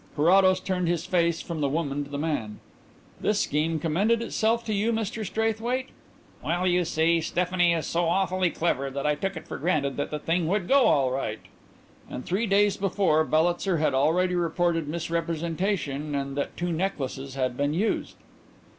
Carrados turned his face from the woman to the man. "This scheme commended itself to you, Mr Straithwaite?" "Well, you see, Stephanie is so awfully clever that I took it for granted that the thing would go all right." "And three days before, Bellitzer had already reported misrepresentation and that two necklaces had been used!"